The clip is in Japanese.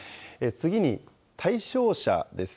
次に対象者です。